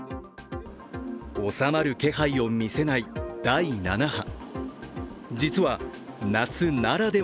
収まる気配を見せない第７波。